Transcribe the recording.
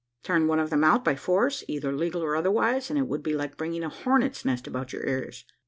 Turn one of them out by force either legal or otherwise and it would be like bringing a hornets' nest about your ears.